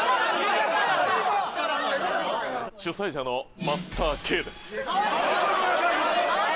主催者のマスターＫです